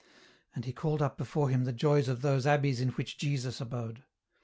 And he called up before him the joys of those abbeys in which Jesus abode.